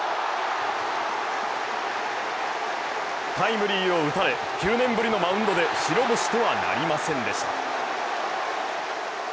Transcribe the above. タイムリーを打たれ、９年ぶりのマウンドで白星とはなりませんでした。